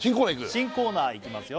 新コーナーいきますよ